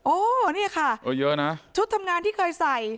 โอ้นี่ค่ะชุดทำงานที่เคยใส่